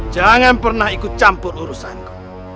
jangan pernah ikut campur urusanku